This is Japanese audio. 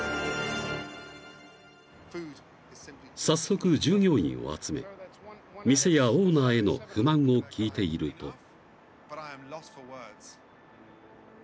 ［早速従業員を集め店やオーナーへの不満を聞いていると］